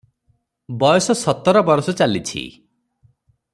ବୟସ ସତର ବରଷ ଚାଲିଛି ।